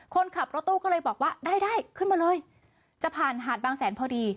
คนขับรถตู้ก็เลยบอกว่าได้ได้ขึ้นมาเลยจะผ่านหาดบางแสนพอดี